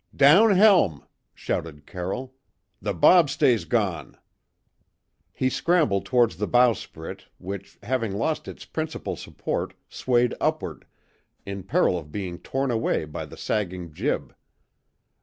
"Down helm!" shouted Carroll. "The bobstay's gone." He scrambled towards the bowsprit, which, having lost its principal support, swayed upward, in peril of being torn away by the sagging jib.